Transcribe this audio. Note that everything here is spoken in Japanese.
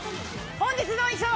本日の衣装